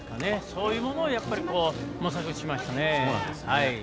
そういうものを模索しましたね。